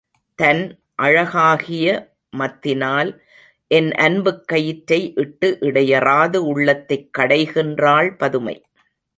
தன் அழகாகிய மத்தினால் என் அன்புக் கயிற்றை இட்டு இடையறாது உள்ளத்தைக் கடைகின்றாள் பதுமை.